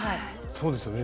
そうですよね。